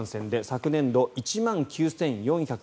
昨年度、１万９４５９件。